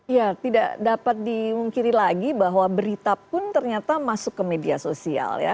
ya tidak dapat dimungkiri lagi bahwa berita pun ternyata masuk ke media sosial ya